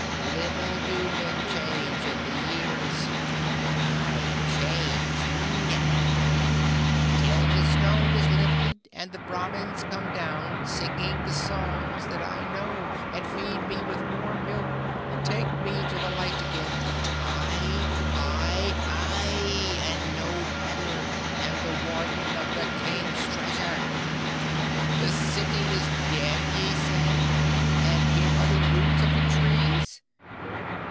Little do men change in the years. But I change never! Till the stone is lifted, and the Brahmins come down singing the songs that I know, and feed me with warm milk, and take me to the light again, I I I, and no other, am the Warden of the King's Treasure! The city is dead, ye say, and here are the roots of the trees?